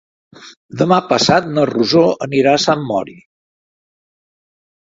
Demà passat na Rosó anirà a Sant Mori.